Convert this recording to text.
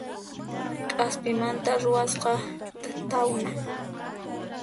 K'aspimanta ruwasqa tawna